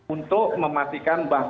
untuk memastikan bahwa